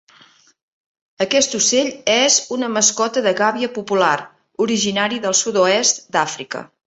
Aquest ocell és una mascota de gàbia popular, originari del sud-oest d'Àfrica.